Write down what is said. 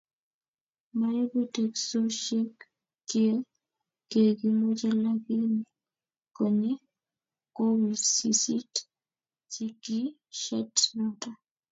Maibu teksosiek kiekimoche lakini konye kowisisit sikishet noto